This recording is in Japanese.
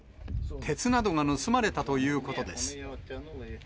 鉄などが盗まれたということです。